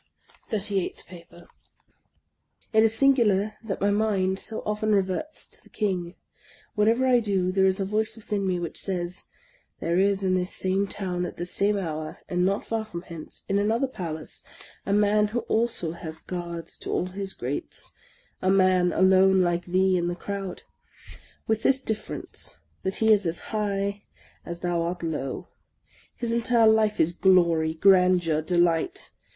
OF A CONDEMNED 89 THIRTY EIGHTH PAPER IT is singular that my mind so often reverts to the King. Whatever I do, there is a voice within me which says, —" There is, in this same town, at this same hour, and not far from hence, in another Palace, a man who also has guards to all his gates ; a man alone, like thee, in the crowd, — with this difference, that he is as high as thou art low. His entire life is glory, grandeur, delight.